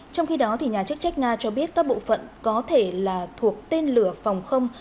trong khi đó nhà chức trách nga cho biết các bộ phận có thể là thuộc tên lửa phòng không